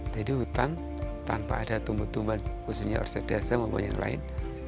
jadi hutan tanpa ada tumbuhan tumbuhan khususnya orsidase maupun yang lain